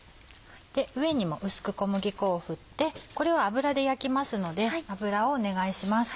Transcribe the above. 上にも薄く小麦粉を振ってこれを油で焼きますので油をお願いします。